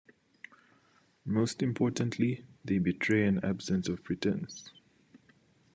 Most importantly, they betray an absence of pretense.